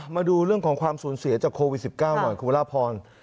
มาดูเรื่องของความสูญเสียจากโควิด๑๙หน่อยคุณพระพร